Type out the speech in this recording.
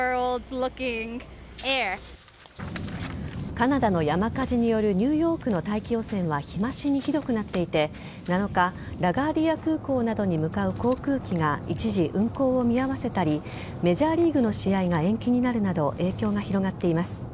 カナダの山火事によるニューヨークの大気汚染は日増しにひどくなっていて７日ラガーディア空港などに向かう航空機が一時、運航を見合わせたりメジャーリーグの試合が延期になるなど影響が広がっています。